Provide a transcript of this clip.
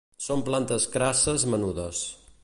Són plantes crasses menudes.